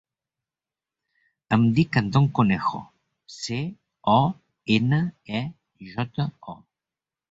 Em dic Anton Conejo: ce, o, ena, e, jota, o.